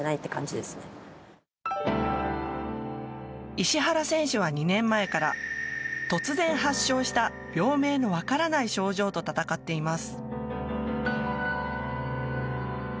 石原選手は２年前から突然、発症した病名の分からない症状と闘っています。